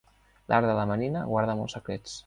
L'art de la marina guarda molts secrets.